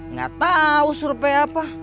nggak tau surpei apa